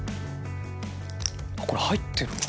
これ入ってるわ。